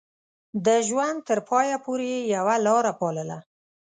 د ژوند تر پايه پورې يې يوه لاره پالله.